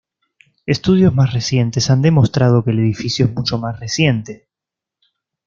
Estudios más recientes han demostrado que el edificio es mucho más reciente.